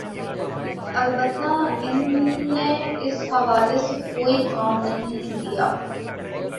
البتہ ان نے اس حوالہ سے کوئی م نہیں لیا